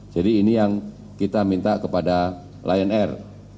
jadi ini yang kita minta kepada lion air